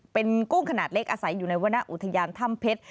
เป็นกุ้งขนาดเล็กอาศัยอยู่ในวรรณอุทยานถ้ำเพชร